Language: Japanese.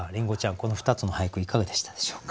この２つの俳句いかがでしたでしょうか？